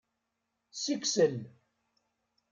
Siksel.